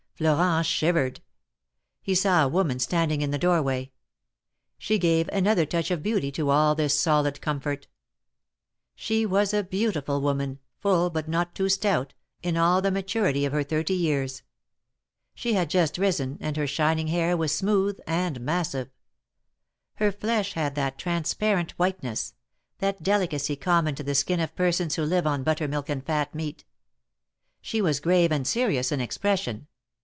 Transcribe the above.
Florent shivered. He saw a woman standing in the doorway. She gave another touch of beauty to all this solid comfort. She was a beautiful woman, full but not too stout, in all the maturity of her thirty years. She had just risen, and her shining hair was smooth and massive. Her fiesh had that transparent whiteness — that delicacy common to the skin of persons who live on buttermilk and fat meat. She was grave and serious in expression.